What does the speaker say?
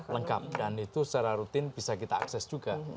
lengkap dan itu secara rutin bisa kita akses juga